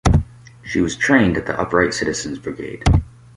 She was trained at the Upright Citizens Brigade.